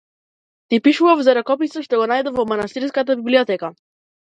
Ти пишував за ракописот што го најдов во манастирската библиотека.